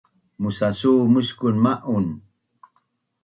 musasu muskun ma’un